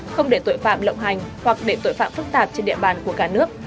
không để tội phạm lộng hành hoặc để tội phạm phức tạp trên địa bàn của cả nước